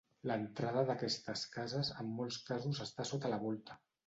L'entrada d'aquestes cases, en molts casos està sota la volta.